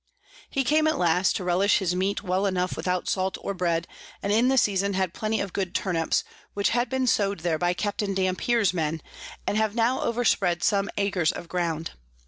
He came at last to relish his Meat well enough without Salt or Bread, and in the Season had plenty of good Turnips, which had been sow'd there by Capt. Dampier's Men, and have now overspread some Acres of Ground.